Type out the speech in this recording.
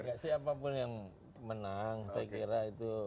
tidak sih apapun yang menang saya kira itu